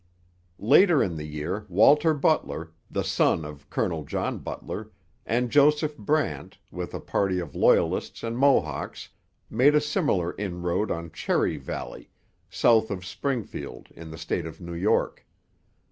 Later in the year Walter Butler, the son of Colonel John Butler, and Joseph Brant, with a party of Loyalists and Mohawks, made a similar inroad on Cherry Valley, south of Springfield in the state of New York.